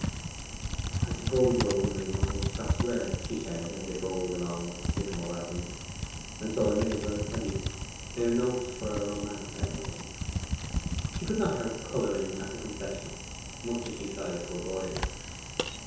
'I suppose you are wondering what those scraps were?' she said, as they bowled along up the sycamore avenue. 'And so I may as well tell you. They are notes for a romance I am writing.' She could not help colouring at the confession, much as she tried to avoid it.